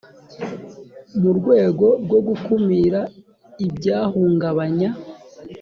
mu rwego rwo gukumira ibyahungabanya